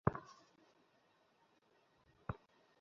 পুরো Justice League ধূলিসাৎ হয়ে যাবে।